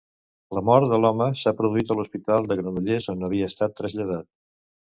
La mort de l'home s'ha produït a l'Hospital de Granollers, on havia estat traslladat.